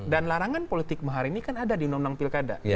dan larangan politik mahari ini kan ada di undang undang pilkada